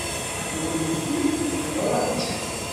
Nekkenti neẓra-tt.